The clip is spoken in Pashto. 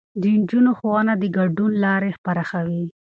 د نجونو ښوونه د ګډون لارې پراخوي.